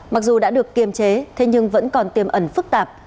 mặc dù đã được kiềm chế thế nhưng vẫn còn tiềm ẩn phức tạp